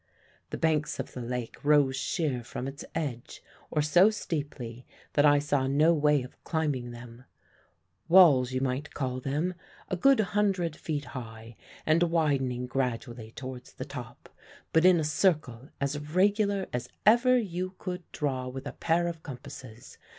The banks of the lake rose sheer from its edge, or so steeply that I saw no way of climbing them walls you might call them, a good hundred feet high, and widening gradually towards the top, but in a circle as regular as ever you could draw with a pair of compasses.